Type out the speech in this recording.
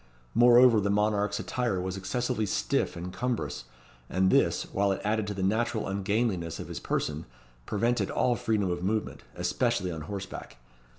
Moreover the monarch's attire was excessively stiff and cumbrous, and this, while it added to the natural ungainliness of his person, prevented all freedom of movement, especially on horseback.